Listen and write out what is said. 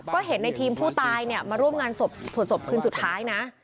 ก็เห็นในทีมผู้ตายมาร่วมงานศพคืนสุดท้ายนะ